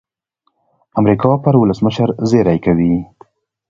امریکا پر ولسمشر زېری کوي.